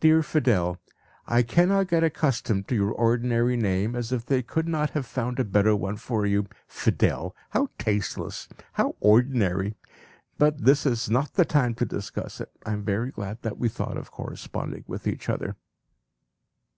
"Dear Fidel! I cannot get accustomed to your ordinary name, as if they could not have found a better one for you! Fidel! How tasteless! How ordinary! But this is not the time to discuss it. I am very glad that we thought of corresponding with each other."